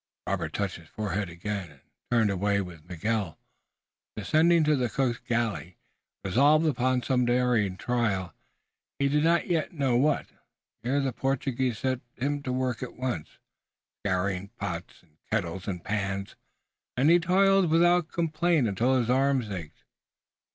Robert touched his forehead again and turned away with Miguel, descending to the cook's galley, resolved upon some daring trial, he did not yet know what. Here the Portuguese set him to work at once, scouring pots and kettles and pans, and he toiled without complaint until his arms ached.